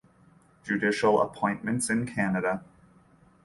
Judicial Appointments in Canada